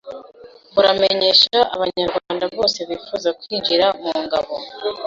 buramenyesha Abanyarwanda bose bifuza kwinjira mu ngabo